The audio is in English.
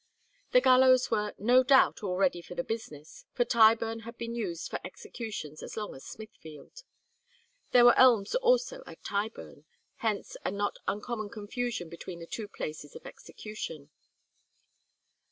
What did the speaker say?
The gallows were no doubt all ready for the business, for Tyburn had been used for executions as long as Smithfield. There were elms also at Tyburn, hence a not uncommon confusion between the two places of execution.